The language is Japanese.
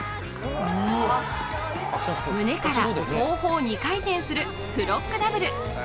胸から後方２回転するフロッグダブル。